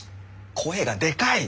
声がでかい！